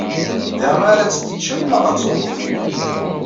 Da ara tt-teččem neɣ ad tṛuḥ?